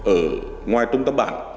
ở ngoài trung tâm bản